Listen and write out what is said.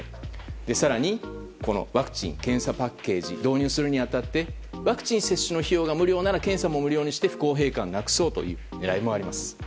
更にワクチン・検査パッケージ導入するに当たりワクチン接種の費用が無料なら検査も無料にして不公平感をなくそうという狙いもあります。